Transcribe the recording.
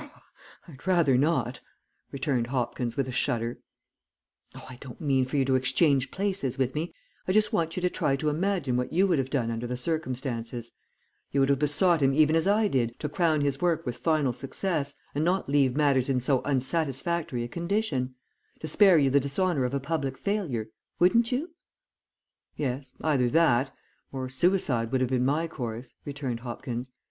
"I'd rather not," returned Hopkins with a shudder. "Oh, I don't mean for you to exchange places with me. I just want you to try to imagine what you would have done under the circumstances. You would have besought him even as I did to crown his work with final success, and not leave matters in so unsatisfactory a condition; to spare you the dishonour of a public failure, wouldn't you?" "Yes, either that or suicide would have been my course," returned Hopkins.